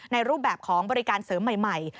รูปแบบของบริการเสริมใหม่